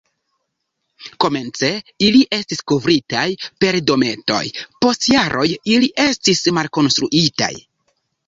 Komence ili estis kovritaj per dometoj, post jaroj ili estis malkonstruitaj.